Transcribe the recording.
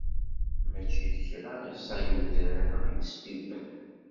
Mačči d kra i ẓẓay udrar-a iyi-sbibben.